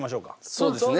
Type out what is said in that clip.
そうですね。